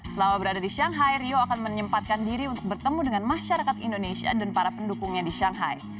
selama berada di shanghai rio akan menyempatkan diri untuk bertemu dengan masyarakat indonesia dan para pendukungnya di shanghai